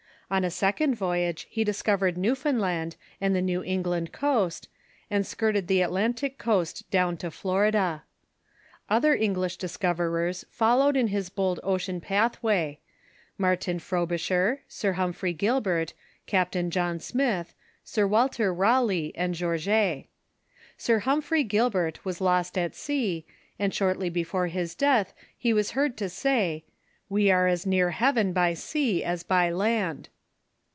On a sec ond voyage he discovered Newfoundland and the New Eng land coast, and skirted the Atlantic coast down to Florida. Other English discoverers followed in his bold ocean pathwa}' — ]\Iartin Frobisher, Sir Humphrey Gilbert, Captain John Smith, Sir Walter Raleigh, and Gorges. Sir Humphrey Gil 442 TFIE CHURCH IN THE UNITED STATES bert was lost at sea, and shortly before his death he was heard to say, " We are as near heaven by sea as by land."